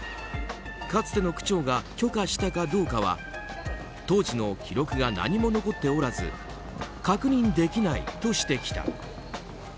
かつての区長が許可したかどうかは当時の記録が何も残っておらず確認できないとしてきた。